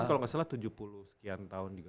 kalau ga salah tujuh puluh sekian tahun juga